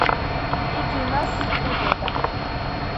იგი მას ხვდება.